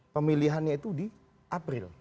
pemilihannya itu di april